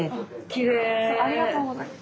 ありがとうございます。